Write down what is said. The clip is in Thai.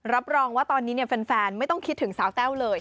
รับรองว่าตอนนี้แฟนไม่ต้องคิดถึงสาวแต้วเลย